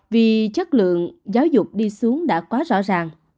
vì chất lượng giáo dục đi xuống đã quá rõ ràng